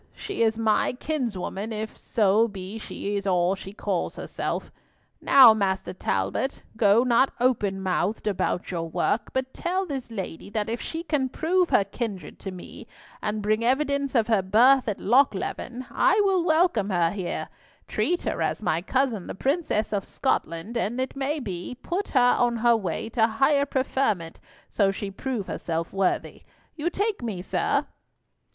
She is my kinswoman, if so be she is all she calls herself. Now, Master Talbot, go not open mouthed about your work, but tell this lady that if she can prove her kindred to me, and bring evidence of her birth at Lochleven, I will welcome her here, treat her as my cousin the Princess of Scotland, and, it may be, put her on her way to higher preferment, so she prove herself worthy thereof. You take me, sir?"